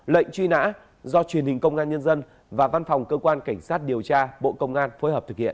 lệnh truy nã do truyền hình công an nhân dân và văn phòng cơ quan cảnh sát điều tra bộ công an phối hợp thực hiện